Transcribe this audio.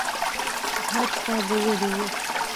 حج ته بوولي وو